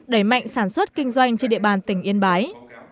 đẩy mạnh sản xuất kinh doanh trên địa bàn tỉnh yên bái